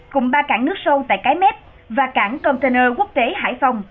cùng ba cảng nước sâu tại cái mép và cảng container quốc tế hải phòng